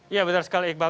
iya benar sekali iqbal